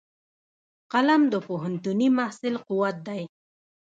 قلم د پوهنتوني محصل قوت دی